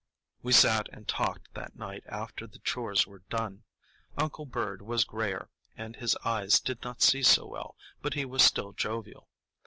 We sat and talked that night after the chores were done. Uncle Bird was grayer, and his eyes did not see so well, but he was still jovial.